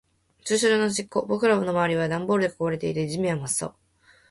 駐車場の端っこ。僕らの周りはダンボールで囲われていて、地面は真っ青。